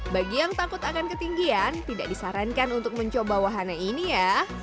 bagi yang takut akan ketinggian tidak disarankan untuk mencoba wahana ini ya